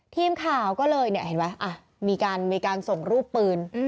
ทีมข่าวก็เลยเนี่ยเห็นไหมมีการส่งรูปปืน